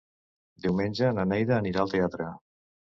Diumenge na Neida anirà al teatre.